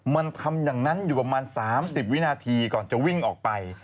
มันทำอย่างนั้นอยู่ประมาณ๓๐วินาทีก่อนจะวิ่งออกไป